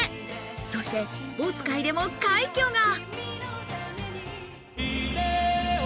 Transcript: そして、スポーツ界でも快挙が。